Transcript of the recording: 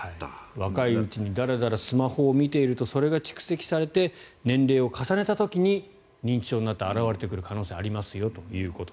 若いうちにだらだらスマホを見ているとそれが蓄積されて年齢を重ねた時に認知症になって表れてくる可能性がありますよと。